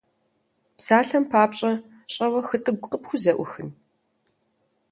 Псалъэм папщӀэ, щӀэуэ хытӀыгу къыпхузэӀухын?